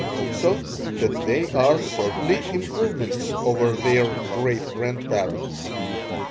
Also that they are certainly improvements over their great grandparents.